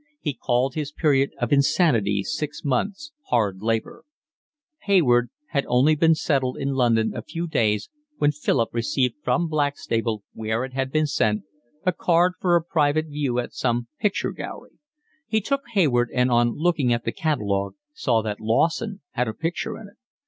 He called his period of insanity six months' hard labour. Hayward had only been settled in London a few days when Philip received from Blackstable, where it had been sent, a card for a private view at some picture gallery. He took Hayward, and, on looking at the catalogue, saw that Lawson had a picture in it.